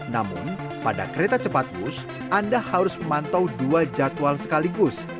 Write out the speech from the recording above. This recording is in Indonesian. namun pada kereta cepat bus anda harus memantau dua jadwal sekaligus